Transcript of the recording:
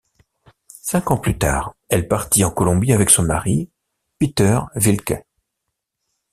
Cinq ans plus tard, elle partit en Colombie avec son mari, Peter Wilcke.